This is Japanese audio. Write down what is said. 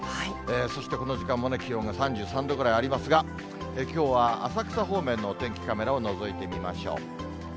そしてこの時間も気温が３３度ぐらいありますが、きょうは浅草方面のお天気カメラを覗いてみましょう。